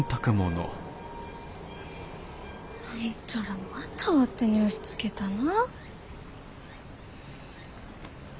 あんたらまたワテに押しつけたな。